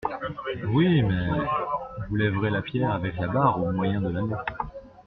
Oui, mais … Vous lèverez la pierre avec la barre au moyen de l'anneau.